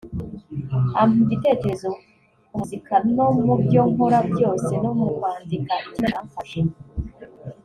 ampa ibitekerezo ku muzika no mu byo nkora byose no mu kwandika ikinamico aramfasha